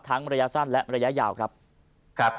ระยะสั้นและระยะยาวครับ